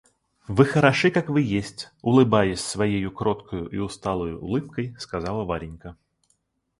Вы хороши, как вы есть, — улыбаясь своею кроткою и усталою улыбкой, сказала Варенька.